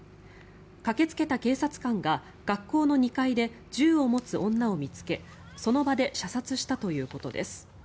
駆けつけた警察官が学校の２階で銃を持つ女を見つけその場で射殺したということです。